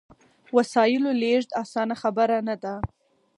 وسایلو لېږد اسانه خبره نه ده.